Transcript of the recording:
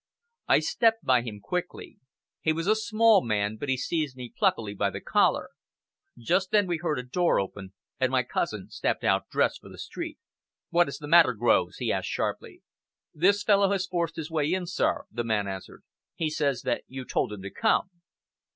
I stepped by him quickly. He was a small man, but he seized me pluckily by the collar. Just then we heard a door open, and my cousin stepped out dressed for the street. "What is the matter, Groves?" he asked sharply. "This fellow has forced his way in, sir," the man answered. "He says that you told him to come."